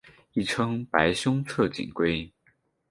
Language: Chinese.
亦称白胸侧颈龟。